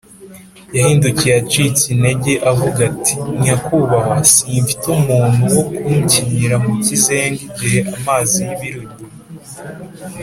. Yahindukiye acitse intege avuga ati, “Nyakubahwa, simfite umuntu wo kunshyira mu kizenga igihe amazi yibirinduye